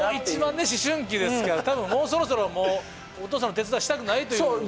一番思春期ですから多分もうそろそろもうお父さんの手伝いしたくないという。